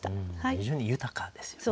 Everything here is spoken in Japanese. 非常に豊かですよね。